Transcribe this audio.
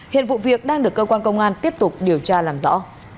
hiện vụ việc đang được cơ quan công an tiếp tục điều tra làm rõ